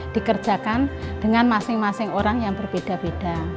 dikerjakan dengan masing masing orang yang berbeda beda